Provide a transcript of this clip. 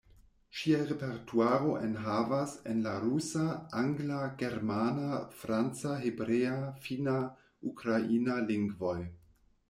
Ŝia repertuaro enhavas en la rusa, angla, germana, franca, hebrea, finna, ukraina lingvoj.